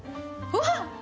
うわっ！